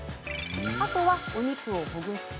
あとは、お肉をほぐして